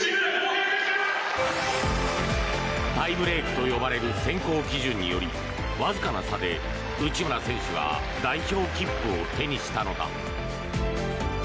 タイブレークと呼ばれる選考基準によりわずかな差で内村選手が代表切符を手にしたのだ。